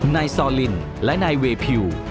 นายซอลินและนายเวพิว